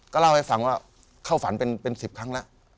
เล่าให้ฟังว่าเข้าฝันเป็น๑๐ครั้งแล้ว